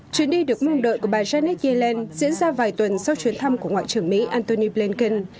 chuyến đi được mong đợi của bà jenny yellen diễn ra vài tuần sau chuyến thăm của ngoại trưởng mỹ antony blinken